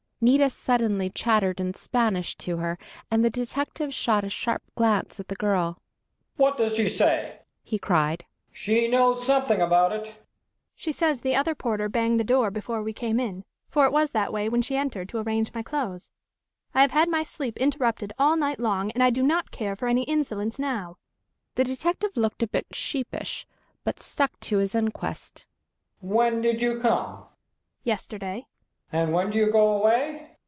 Nita suddenly chattered in Spanish to her, and the detective shot a sharp glance at the girl. "What does she say?" he cried. "She knows something about it." "She says the other porter banged the door before we came in, for it was that way when she entered to arrange my clothes. I have had my sleep interrupted all night long, and I do not care for any insolence now." The detective looked a bit sheepish, but stuck to his inquest. "When did you come?" "Yesterday." "And when do you go away?"